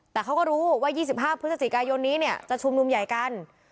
แต่เขาก็รู้ว่า๒๕พฤศจิกายนนี้เนี่ยจะชุมนุมใหญ่กัน